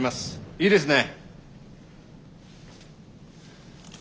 いいですね。